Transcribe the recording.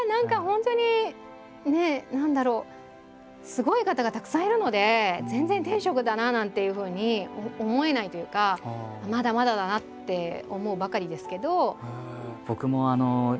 すごい方がたくさんいるので全然天職だななんていうふうに思えないというかまだまだだなって思うばかりですけど。